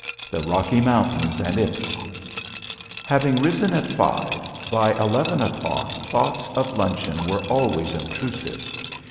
The Rocky Mountains and Ypres! Having risen at five, by eleven o'clock thoughts of luncheon were always obtrusive.